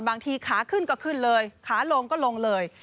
ขาขึ้นก็ขึ้นเลยขาลงก็ลงเลย